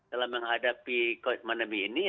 dalam menghadapi covid sembilan belas ini